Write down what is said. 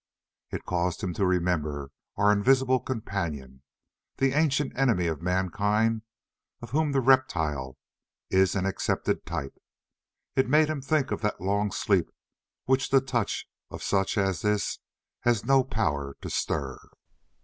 It caused him to remember our invisible companion, that ancient enemy of mankind of whom the reptile is an accepted type; it made him think of that long sleep which the touch of such as this has no power to stir.